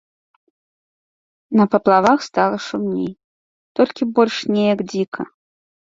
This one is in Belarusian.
На паплавах стала шумней, толькі больш неяк дзіка.